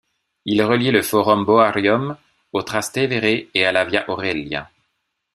Il reliait le Forum Boarium au Trastevere et à la Via Aurelia.